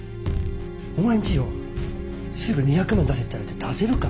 お前んちよすぐ２００万出せって言われて出せるか？